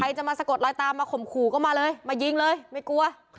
จะมาสะกดลอยตามมาข่มขู่ก็มาเลยมายิงเลยไม่กลัว